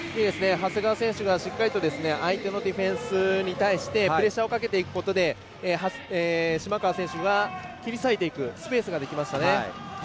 長谷川選手がしっかりと相手のディフェンスに対してプレッシャーをかけていくことで島川選手が切り裂いていくスペースができましたね。